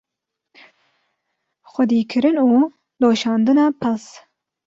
xwedîkirin û doşandina pez